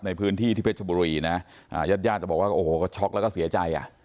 ในพื้นที่ที่เพชรบุรีนะญาติญาติก็บอกว่าโอ้โหก็ช็อกแล้วก็เสียใจอ่ะ